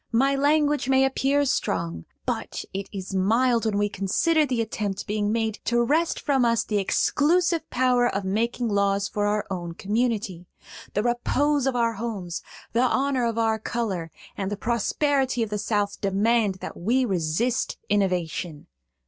"My language may appear strong; but it is mild when we consider the attempt being made to wrest from us the exclusive power of making laws for our own community. The repose of our homes, the honor of our color, and the prosperity of the South demand that we resist innovation.